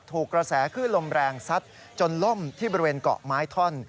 กระแสคลื่นลมแรงซัดจนล่มที่บริเวณเกาะไม้ท่อน